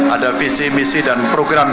ada visi misi dan program